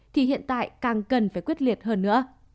thì hiện tại càng cần phải quyết liệt hơn nữa